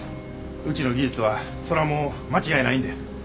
うちの技術はそらもう間違いないんで。